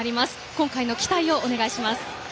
今回の期待をお願いします。